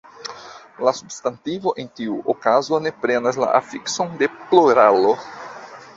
La substantivo en tiu okazo ne prenas la afikson de pluralo.